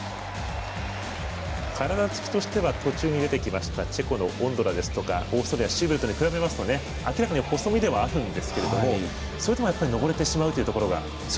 体つきでは途中で出てきましたチェコのオンドラですとかオーストリアのシューベルトに比べると明らかに細身ではあるんですがそれでも、やっぱり登れてしまうというのが。